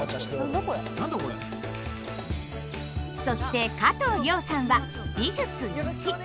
そして加藤諒さんは「美術Ⅰ」。